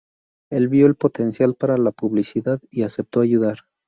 Él vio el potencial para la publicidad y aceptó ayudar.